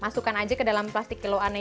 masukkan aja ke dalam plastik kiloan